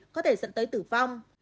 có thể dẫn tới tử vong